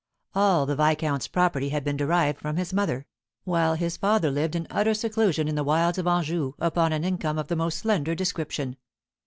All the viscount's property had been derived from his mother; while his father lived in utter seclusion in the wilds of Anjou, upon an income of the most slender description.